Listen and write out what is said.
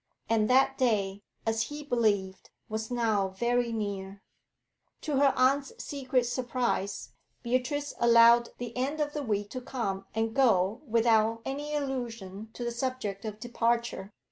And that day, as he believed, was now very near. To her aunt's secret surprise, Beatrice allowed the end of the week to come and go without any allusion to the subject of departure.